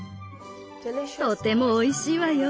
とてもおいしいわよ。